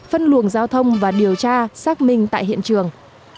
phân luồng giao thông và điều tra xác minh tại hiện trường